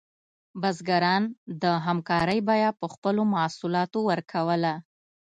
بزګران د همکارۍ بیه په خپلو محصولاتو ورکوله.